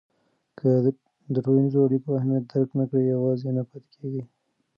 که د ټولنیزو اړیکو اهمیت درک نه کړې، یووالی نه پاتې کېږي.